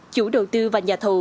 chủ đầu tư và nhà thầu